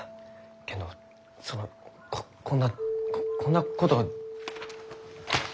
けんどそのこんなこんなこと。